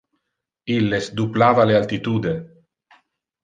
Illes duplava le altitude.